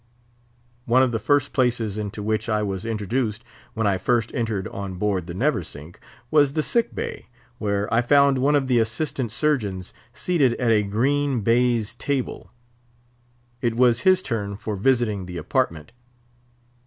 One of the first places into which I was introduced when I first entered on board the Neversink was the sick bay, where I found one of the Assistant Surgeons seated at a green baize table. It was his turn for visiting the apartment.